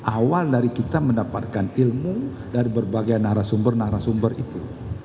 awal dari kita mendapatkan ilmu dari berbagai narasumber narasumber itu